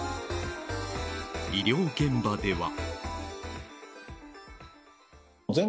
医療現場では。